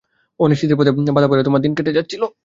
অনিশ্চিতের মধ্যে বাঁধা পড়ে তোমার দিন কেটে যাচ্ছিল।